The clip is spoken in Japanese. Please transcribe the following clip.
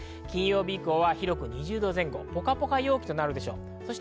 金曜日以降、広く２０度前後、ポカポカ陽気となるでしょう。